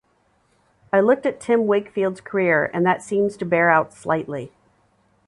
I looked at Tim Wakefield's career and that seems to bear out slightly.